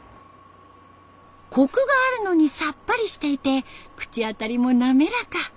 コクがあるのにさっぱりしていて口当たりも滑らか。